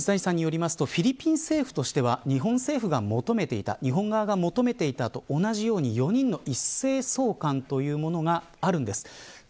水谷さんによりますとフィリピン政府としては日本政府が求めていたと同じように４人の一斉送還というものがあるんです。